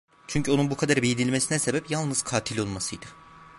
Çünkü onun bu kadar beğenilmesine sebep, yalnız katil olmasıydı.